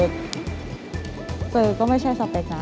เจอก็ไม่ใช่สเปคนะ